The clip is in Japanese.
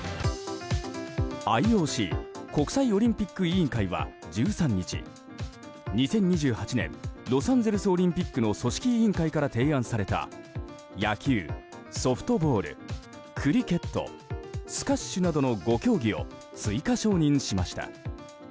ＩＯＣ・国際オリンピック委員会は１３日２０２８年ロサンゼルスオリンピックの組織委員会から提案された野球・ソフトボールクリケットスカッシュなどの５競技を追加承認しました。